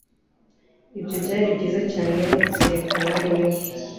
Ibyo byari byiza cyane byerekana inyungu